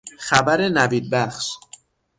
خبر نوید بخش